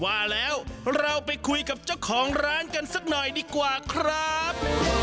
ว่าแล้วเราไปคุยกับเจ้าของร้านกันสักหน่อยดีกว่าครับ